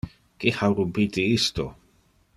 Qui ha rumpite isto?